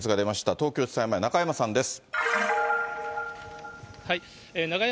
東京地裁前、中山さんです。